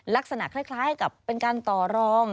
ลักษณะคล้ายกับเป็นการต่อรอง